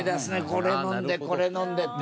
これ飲んでこれ飲んでって。